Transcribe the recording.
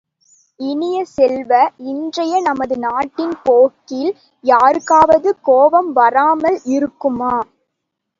இனிய செல்வ, இன்றைய நமது நாட்டின் போக்கில் யாருக்காவது கோபம் வராமல் இருக்குமா?